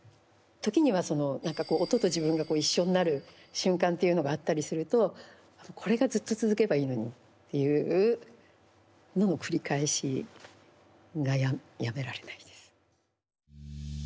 時には何かこうっていうのがあったりするとこれがずっと続けばいいのにっていうのの繰り返しがやめられないです。